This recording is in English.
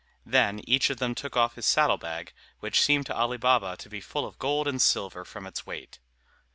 Then each of them took off his saddle bag, which seemed to Ali Baba to be full of gold and silver from its weight.